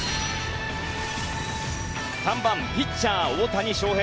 ３番ピッチャー、大谷翔平。